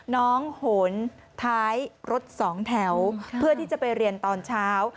โหนท้ายรถสองแถวเพื่อที่จะไปเรียนตอนเช้า